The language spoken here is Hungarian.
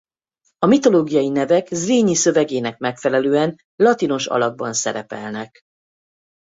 A mitológiai nevek Zrínyi szövegének megfelelően latinos alakban szerepelnek.